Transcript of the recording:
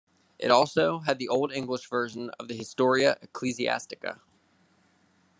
It also had the Old English version of the "Historia ecclesiastica".